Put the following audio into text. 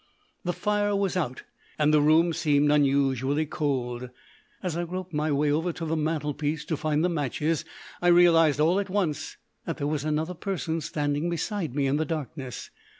The fire was out, and the room seemed unusually cold. As I groped my way over to the mantelpiece to find the matches I realised all at once that there was another person standing beside me in the darkness.